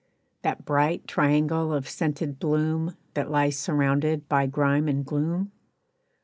That bright triangle of scented bloom That lies surrounded by grime and gloom?